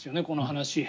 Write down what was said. この話。